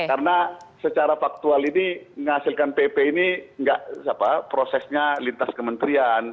karena secara faktual ini menghasilkan pp ini prosesnya lintas kementerian